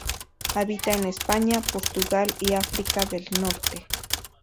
Habita en España, Portugal y África del Norte.